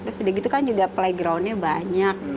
terus udah gitu kan juga playgroundnya banyak